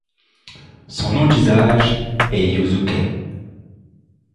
Son nom d’usage est Yūsuke.